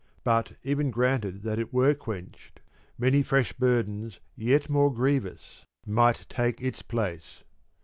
But, even granted that it were quenched, many fresh burdens, yet more grievous, might take its place.